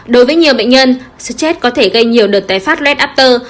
đối với nhiều bệnh nhân stress có thể gây nhiều đợt tái phát led after